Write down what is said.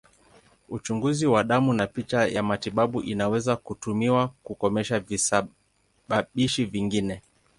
Uchunguzi wa damu na picha ya matibabu inaweza kutumiwa kukomesha visababishi vingine.